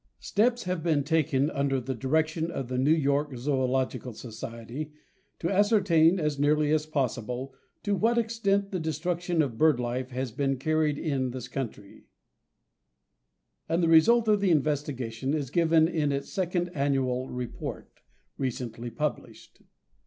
Steps have been taken under the direction of the New York zoölogical society to ascertain, as nearly as possible, to what extent the destruction of bird life has been carried in this country and the result of the investigation is given in its second annual report, recently published.